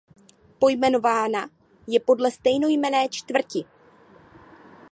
Pojmenována je podle stejnojmenné čtvrti.